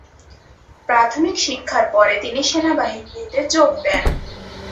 প্রাথমিক শিক্ষার পরে তিনি সেনাবাহিনীতে যোগ দেন।